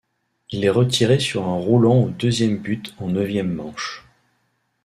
Il est retiré sur un roulant au deuxième but en neuvième manche.